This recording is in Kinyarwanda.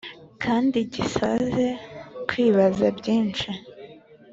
Kandi gisaze kwibaza byinshi.